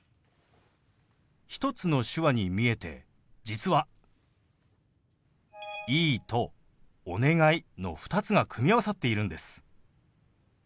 １つの手話に見えて実は「いい」と「お願い」の２つが組み合わさっているんです。